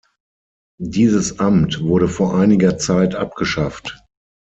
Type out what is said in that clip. Dieses Amt wurde vor einiger Zeit abgeschafft.